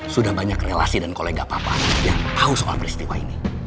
sudah banyak relasi dan kolega apa apa yang tahu soal peristiwa ini